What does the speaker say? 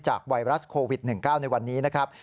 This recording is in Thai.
ไวรัสโควิด๑๙ในวันนี้นะครับ